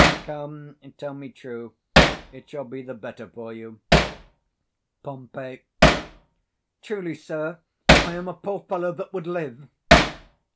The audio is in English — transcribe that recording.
come, tell me true: it shall be the better for you. Pom. Truly, sir, I am a poor fellow that would live.